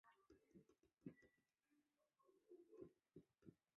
大水苎麻